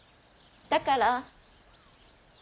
だから。